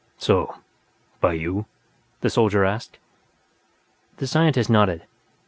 "So? By you?" the soldier asked. The scientist nodded.